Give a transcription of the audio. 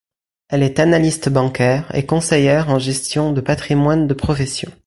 Elle est analyste bancaire et conseillère en gestion de patrimoine de profession.